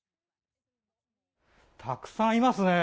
たくさんいますね。